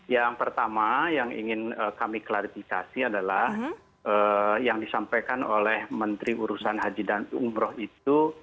yang pertama yang ingin kami klarifikasi adalah yang disampaikan oleh menteri urusan haji dan umroh itu